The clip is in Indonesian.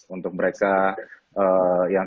untuk mereka yang